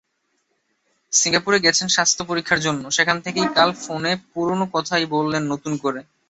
সিঙ্গাপুরে গেছেন স্বাস্থ্যপরীক্ষার জন্য, সেখান থেকেই কাল ফোনে পুরোনো কথাই বললেন নতুন করে।